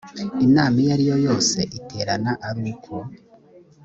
inama iyo ariyo yose iterana ari uko